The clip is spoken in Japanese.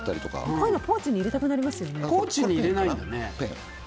こういうのポーチに入れたくなりますね。